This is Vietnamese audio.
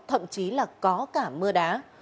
thậm chí là có cả mưa đá